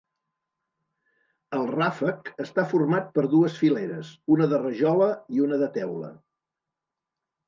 El ràfec està format per dues fileres, una de rajola i una de teula.